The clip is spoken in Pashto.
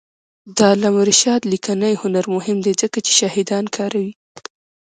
د علامه رشاد لیکنی هنر مهم دی ځکه چې شاهدان کاروي.